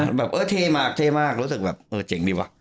แบบแบบเออเทมากเทมากรู้สึกแบบเจ๋งดีว่ะ